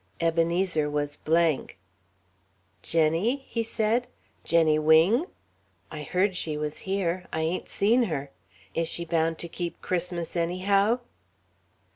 Ebenezer was blank. "Jenny?" he said. "Jenny Wing? I heard she was here. I ain't seen her. Is she bound to keep Christmas anyhow?"